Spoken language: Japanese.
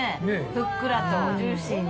ふっくらとジューシーに。